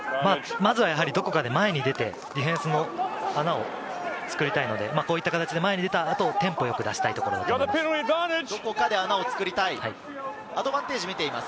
まずは、どこかで前に出てディフェンスの穴を作りたいので、こういった形で前に出た後、テンポよく出したいところです。